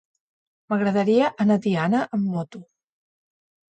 M'agradaria anar a Tiana amb moto.